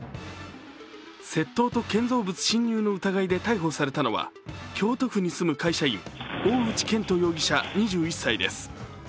窃盗と建造物侵入の疑いで逮捕されたのは京都府に住む会社員、大内拳斗容疑者２１歳です。